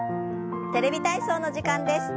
「テレビ体操」の時間です。